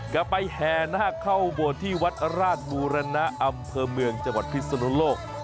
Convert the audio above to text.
แกไปแห่นาคเข้าโบสถ์ที่วัดราชบูรณะอำเภอเมืองจังหวัดพิศนุโลก